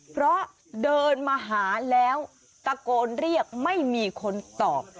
เพราะเดินมาหาแล้วตะโกนเรียกไม่มีคนตอบ